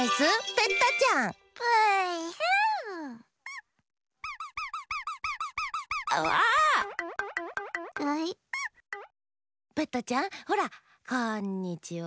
ペッタちゃんほらこんにちはダァー！